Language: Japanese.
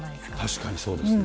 確かにそうですね。